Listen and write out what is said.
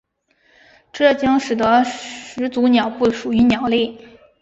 这将使得始祖鸟不属于鸟类。